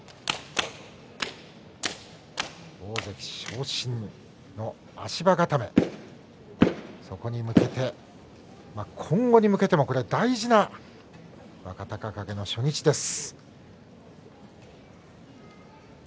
大関昇進の足場固めそこに向けて今後に向けても大事な若隆景の初日です。